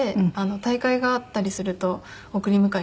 大会があったりすると送り迎えして。